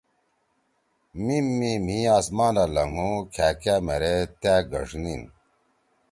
میم می مھی آسمانا لھنگُو کھأکأ مھیرے تأ گݜنین،